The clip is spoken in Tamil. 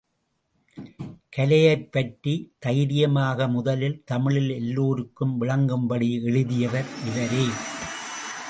கலையைப் பற்றி தைரியமாக முதலில் தமிழில் எல்லோருக்கும் விளங்கும்படி எழுதியவர் இவரே.